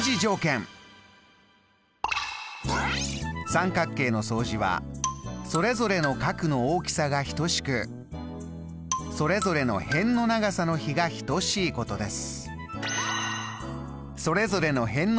三角形の相似はそれぞれの角の大きさが等しくそれぞれの辺の長さの比が等しいことです。